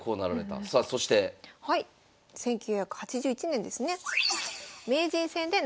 １９８１年ですね。